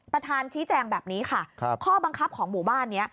ประธานชี้แจงแบบนี้ค่ะข้อบังคับของหมู่บ้านนี้